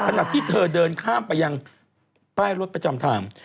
ขณะที่เธอเดินข้ามไปยังป้ายรถประจำทาง